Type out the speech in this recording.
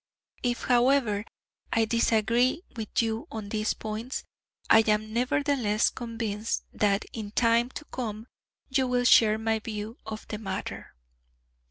If, however, I disagree with you on these points, I am nevertheless convinced, that in time to come you will share my view of the matter.